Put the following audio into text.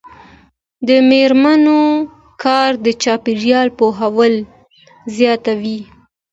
د میرمنو کار د چاپیریال پوهاوی زیاتوي.